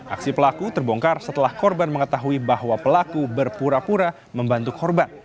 aksi pelaku terbongkar setelah korban mengetahui bahwa pelaku berpura pura membantu korban